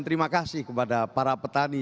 terima kasih kepada para petani